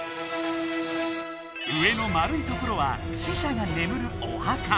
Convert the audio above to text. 上の円いところは死者がねむるお墓。